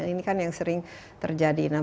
ini kan yang sering terjadi